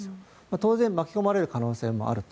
当然巻き込まれる可能性があると。